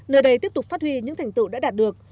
nơi đây tiếp tục phát huy những thành tựu đã đạt được